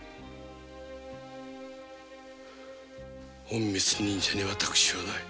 隠密忍者に「私」はない。